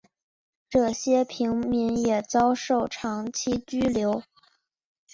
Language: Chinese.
这些平民也遭受长期拘留。